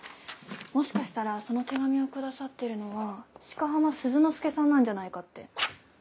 もしかしたらその手紙を下さってるのは鹿浜鈴之介さんなんじゃないかって。